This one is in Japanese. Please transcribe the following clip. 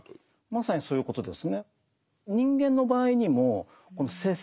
まさにそういうことですね。